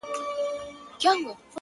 • ملکې ته ډوډۍ راوړه نوکرانو,